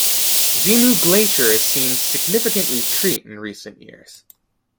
Zemu Glacier has seen significant retreat in recent years.